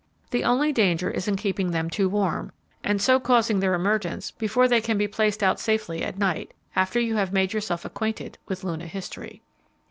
The only danger is in keeping them too warm, and so causing their emergence before they can be placed out safely at night, after you have made yourself acquainted with Luna history.